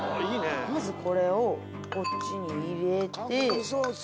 まずこれをこっちに入れて。